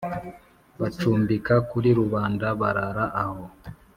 bacumbika kuri rubanda barara aho